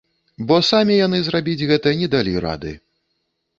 Бо самі яны зрабіць гэта не далі рады.